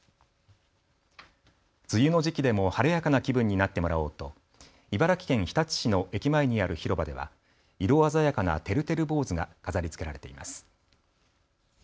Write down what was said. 梅雨の時期でも晴れやかな気分になってもらおうと茨城県日立市の駅前にある広場では色鮮やかなてるてる坊主が飾りつけられています。